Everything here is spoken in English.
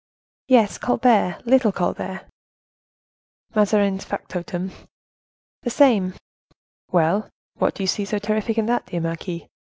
"Yes, Colbert, little Colbert." "Mazarin's factotum?" "The same." "Well! what do you see so terrific in that, dear marquise?